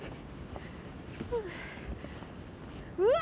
うわ！